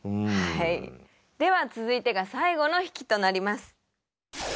では続いてが最後の引きとなります。